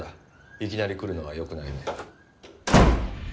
いきなり来るのはよくないね。